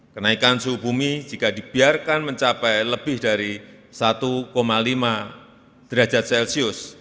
kenaikan suhu bumi jika dibiarkan mencapai lebih dari satu lima derajat celcius